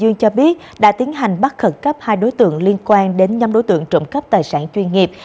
nhiều đối tượng liên quan đến nhóm đối tượng trộm cắp tài sản chuyên nghiệp